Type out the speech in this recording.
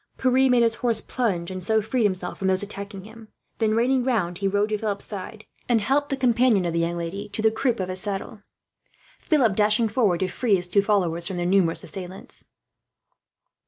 Pierre made his horse plunge, and so freed himself from those attacking him. Then, reining round, he rode to Philip's side, and helped the companion of the young lady to the croup of his saddle; Philip dashing forward, to free his two followers from their numerous assailants.